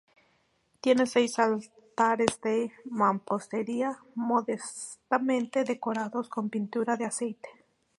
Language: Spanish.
Tiene seis altares de mampostería modestamente decorados con pintura de aceite.